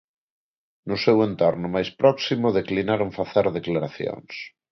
No seu entorno máis próximo declinaron facer declaracións.